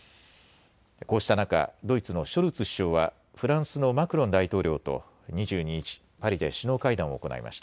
こうした中、ドイツのショルツ首相はフランスのマクロン大統領と２２日、パリで首脳会談を行いました。